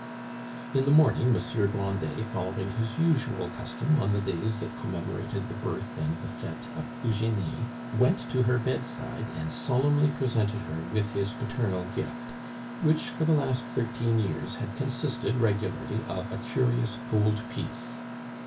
In the morning Monsieur Grandet, following his usual custom on the days that commemorated the birth and the fete of Eugenie, went to her bedside and solemnly presented her with his paternal gift, which for the last thirteen years had consisted regularly of a curious gold piece.